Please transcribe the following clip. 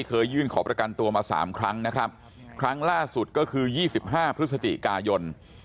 ยื่นขอประกันตัวมาสามครั้งนะครับครั้งล่าสุดก็คือ๒๕พฤศจิกายน